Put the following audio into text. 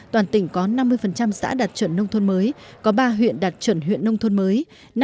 toàn tỉnh có năm mươi xã đạt chuẩn nông thôn mới có ba huyện đạt chuẩn huyện nông thôn mới